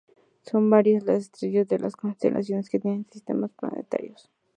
Son varias las estrellas de la constelación que tienen sistemas planetarios.